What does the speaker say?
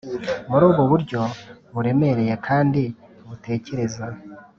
muri ubu buryo, buremereye kandi butekereza,